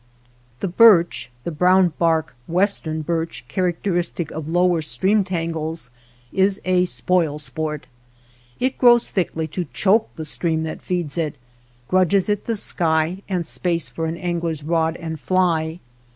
The birch — the brown bark western birch characteristic of lower stream tangles — is a spoil sport. It grows thickly to choke the stream that feeds it ; grudges it the sky and space for angler's rod and fly.